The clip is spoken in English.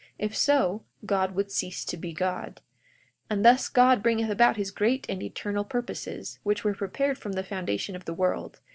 If so, God would cease to be God. 42:26 And thus God bringeth about his great and eternal purposes, which were prepared from the foundation of the world.